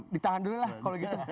ditahan dulu lah kalau gitu